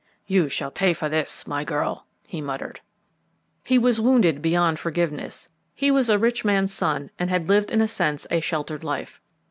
"You shall pay for this, my girl!" he muttered. He was wounded beyond forgiveness. He was a rich man's son and had lived in a sense a sheltered life.